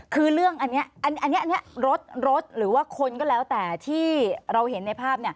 คือเรื่องอันนี้รถหรือว่าคนก็แล้วแต่ที่เราเห็นในภาพ